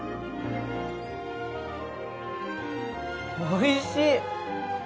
おいしい！